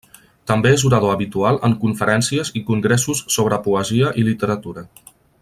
També és orador habitual en conferències i congressos sobre poesia i literatura.